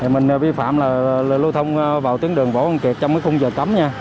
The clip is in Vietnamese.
mình vi phạm lưu thông vào tuyến đường võ văn kiệt trong khung giờ cấm